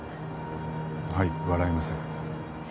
はい笑いません。